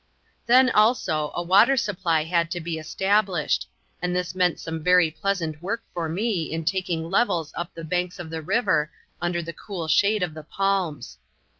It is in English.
Then, also, a water supply had to be established; and this meant some very pleasant work for me in taking levels up the banks of the river under the cool shade of the palms.